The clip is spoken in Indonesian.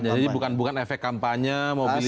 bukan efek kampanye mobilisasi